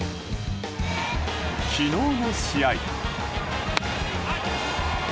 昨日の試合。